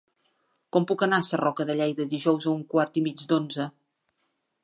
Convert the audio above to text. Com puc anar a Sarroca de Lleida dijous a un quart i mig d'onze?